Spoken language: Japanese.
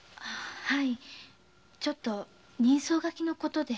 ちょっと人相書きのことで。